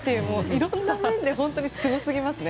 いろんな面ですごすぎますね。